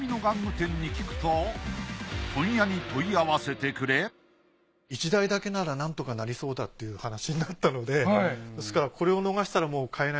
店に聞くと問屋に問い合わせてくれ１台だけならなんとかなりそうだっていう話になったので。